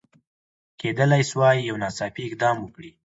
کېدلای سوای یو ناڅاپي اقدام وکړي.